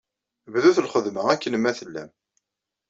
Bdut lxedma, akken ma tellam.